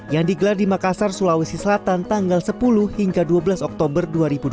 yang digelar di makassar sulawesi selatan tanggal sepuluh hingga dua belas oktober dua ribu dua puluh